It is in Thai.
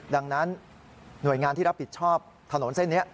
ดังนั้นหน่วยงานที่รับผิดชอบถนนเส้นนี้